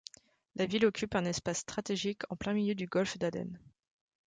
La ville occupe un espace stratégique en plein milieu du golfe d'Aden.